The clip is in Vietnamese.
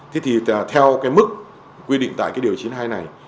thế thì theo cái mức quy định tại cái điều chín mươi hai này